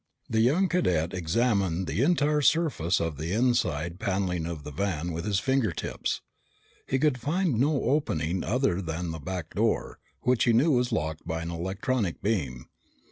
The young cadet examined the entire surface of the inside paneling of the van with his finger tips. He could find no opening other than the back door, which he knew was locked by an electronic beam.